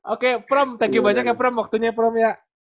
oke prom thank you banyak ya prom waktunya ya prom ya